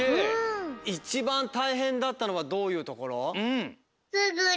いちばんたいへんだったのはどういうところ？